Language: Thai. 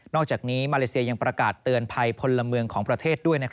อกจากนี้มาเลเซียยังประกาศเตือนภัยพลเมืองของประเทศด้วย